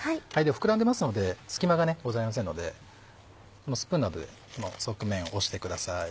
膨らんでますので隙間がございませんのでスプーンなどで側面を押してください。